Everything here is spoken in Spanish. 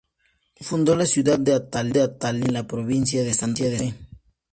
Fundó la ciudad de Ataliva en la provincia de Santa Fe.